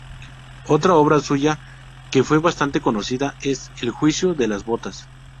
Otra obra suya que fue bastante conocida es "El juicio de las botas".